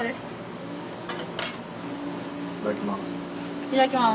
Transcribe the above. いただきます。